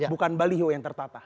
bukan baliho yang tertata